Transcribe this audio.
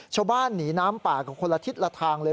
ชาวบ้านหนีน้ำป่ากันคนละทิศละทางเลย